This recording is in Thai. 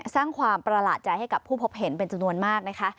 สร้างความประหลาดใจให้กับผู้พบเห็นเป็นจำนวนมากนะคะ